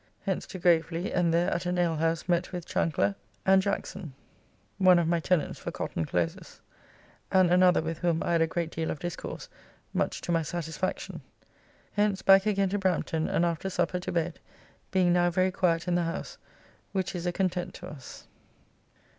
Hence to Graveley, and there at an alehouse met with Chancler and Jackson (one of my tenants for Cotton closes) and another with whom I had a great deal of discourse, much to my satisfaction. Hence back again to Brampton and after supper to bed, being now very quiet in the house, which is a content to us.